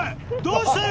どうした？